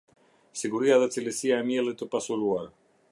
Siguria dhe cilësia e miellit të pasuruar.